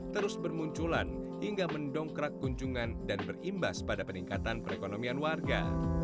terus bermunculan hingga mendongkrak kunjungan dan berimbas pada peningkatan perekonomian warga